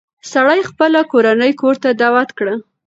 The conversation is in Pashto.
سړي خپله کورنۍ کور ته دعوت کړه.